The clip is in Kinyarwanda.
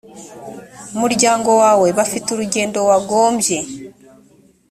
muryango wawe bafitiye urugendo wagombye